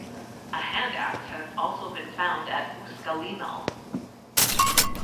A hand axe has also been found at Usgalimal.